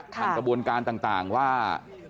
กระบวนการต่างว่า